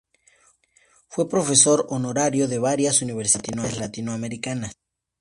Fue profesor honorario de varias universidades latinoamericanas.